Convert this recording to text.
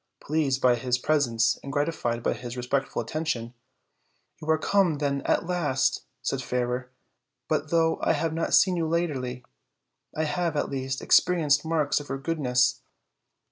Pleased by his presence and gratified by his re spectful attention, "You are come, then, at last," said Fairer; "but though I have not seen you latterly, I have, at least, experienced marks of your goodness."